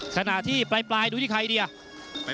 ขณะที่ปลายดูที่ใครดีอ่ะ